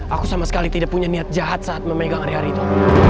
aku sama sekali tidak punya niat jahat saat memegang hari hari itu